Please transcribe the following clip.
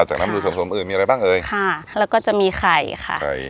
จากนั้นดูส่วนสมอื่นมีอะไรบ้างเอ่ยค่ะแล้วก็จะมีไข่ค่ะไข่